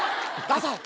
ダサい！